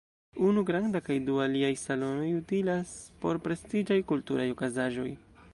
Unu granda kaj du aliaj salonoj utilas por prestiĝaj kulturaj okazaĵoj.